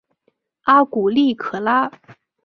阿古利可拉。